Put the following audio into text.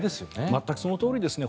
全くそのとおりですね。